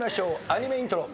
アニメイントロ。